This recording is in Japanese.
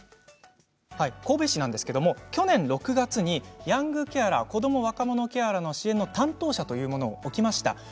神戸市なんですけれど去年６月にヤングケアラーこども・若者ケアラーの担当者というものをおきました。